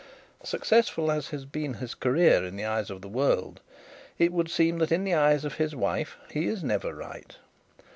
Successful as has been his career in the eyes of the world, it would seem that in the eyes of his wife he is never right.